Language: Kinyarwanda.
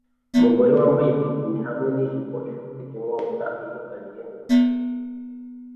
Umugore wambaye bikini hamwe nijipo ifite inkota iringaniye mumutwe